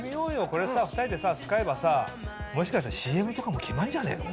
これさ２人でさ使えばさもしかしたらＣＭとかも決まるんじゃねえの？